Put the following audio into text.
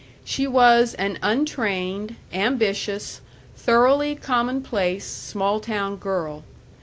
She was an untrained, ambitious, thoroughly commonplace, small town girl.